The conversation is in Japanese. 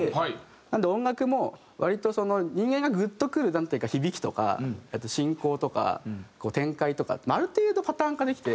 なので音楽も割と人間がグッとくるなんというか響きとか進行とか展開とかある程度パターン化できて。